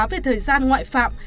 về thời gian ngoại phạm